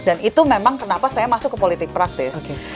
dan itu memang kenapa saya masuk ke politik praktis